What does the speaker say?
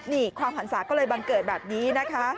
นี่ความหันศาก็เลยบังเกิดแบบนี้นะคะ